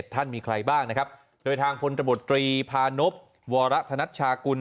ท่านมีใครบ้างนะครับโดยทางพลตบตรีพานบวรธนัชชากุล